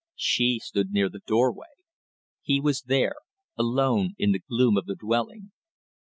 She stood near the doorway. He was there alone in the gloom of the dwelling.